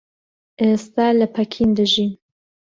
ئێستا لە پەکین دەژیم.